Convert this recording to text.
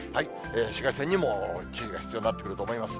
紫外線にも注意が必要になってくると思います。